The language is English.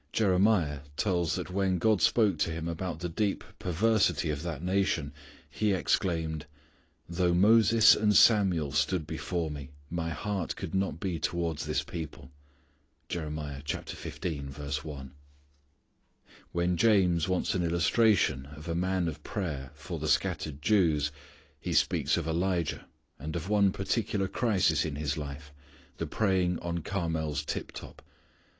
Jeremiah tells that when God spoke to him about the deep perversity of that nation He exclaimed, "Though Moses and Samuel stood before Me My heart could not be towards this people." When James wants an illustration of a man of prayer for the scattered Jews, he speaks of Elijah, and of one particular crisis in his life, the praying on Carmel's tip top.